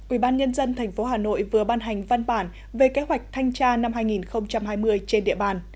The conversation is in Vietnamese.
ubnd tp hà nội vừa ban hành văn bản về kế hoạch thanh tra năm hai nghìn hai mươi trên địa bàn